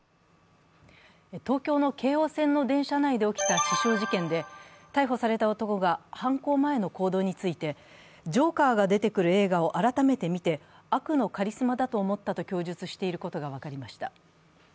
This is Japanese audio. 東京の京王線の電車内で起きた刺傷事件で逮捕された男が犯行前の行動について、「ジョーカー」が出てくる映画を改めて見て、悪のカリスマだと思ったと供述していることが分かりました。